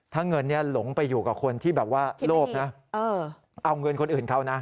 ถ้าเงินหลงไปอยู่กับคนที่โลภเอาเงินคนอื่นเขานะ